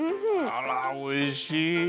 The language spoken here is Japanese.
あらおいしい。